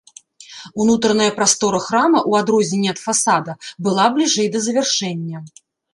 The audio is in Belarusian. Унутраная прастора храма, у адрозненне ад фасада была бліжэй да завяршэння.